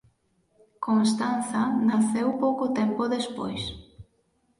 Constanza naceu pouco tempo despois.